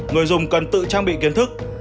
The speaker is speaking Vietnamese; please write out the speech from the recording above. người dùng cần tự trang bị kiến thức